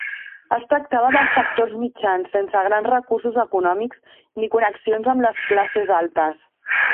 Es tractava de sectors mitjans, sense grans recursos econòmics, ni connexions amb les classes altes.